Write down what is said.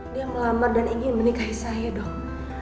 dia melamar dan ingin menikahi saya dok